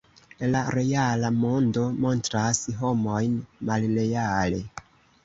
La reala mondo montras homojn malreale.